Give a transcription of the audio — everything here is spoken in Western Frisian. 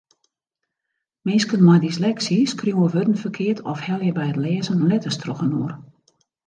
Minsken mei dysleksy skriuwe wurden ferkeard of helje by it lêzen letters trochinoar.